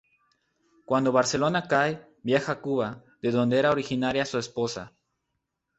Cuando Barcelona cae, viaja a Cuba, de donde era originaria su esposa.